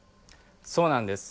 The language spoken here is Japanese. そうなんです。